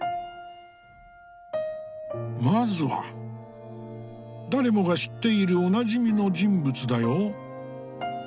まずは誰もが知っているおなじみの人物だよ。